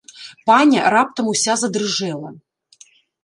Паня раптам уся задрыжэла.